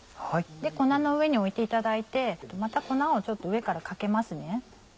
粉の上に置いていただいてまた粉をちょっと上からかけますね。